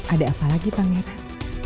ada apa lagi pangeran